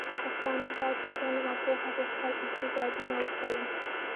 پښتانه بايد په علم او پوهه کې خپل استعدادونه وښيي.